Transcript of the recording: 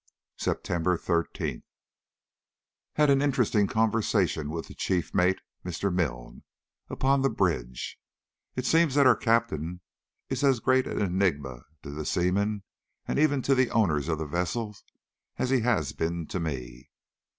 September 13th. Had an interesting conversation with the chief mate, Mr. Milne, upon the bridge. It seems that our Captain is as great an enigma to the seamen, and even to the owners of the vessel, as he has been to me.